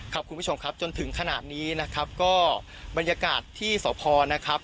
คุณผู้ชมครับจนถึงขนาดนี้นะครับก็บรรยากาศที่สพนะครับ